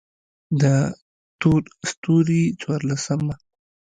د تور ستوري څوارلسمه: